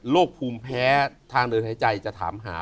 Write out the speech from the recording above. ภูมิแพ้ทางเดินหายใจจะถามหา